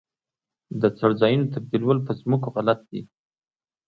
د څړځایونو تبدیلول په ځمکو غلط دي.